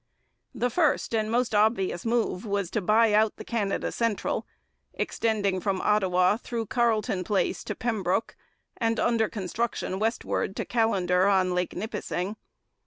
The first and most obvious move was to buy out the Canada Central, extending from Ottawa through Carleton Place to Pembroke, and under construction westward to Callender on Lake Nipissing.